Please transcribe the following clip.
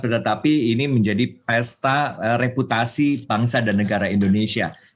tetapi ini menjadi pesta reputasi bangsa dan negara indonesia